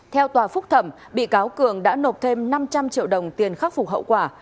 theo tòa phúc thẩm bị cáo cường đã nộp thêm năm trăm linh triệu đồng tiền khắc phục hậu quả